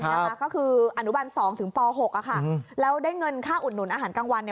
ก็คืออนุบัน๒ถึงป๖แล้วได้เงินค่าอุดหนุนอาหารกลางวัน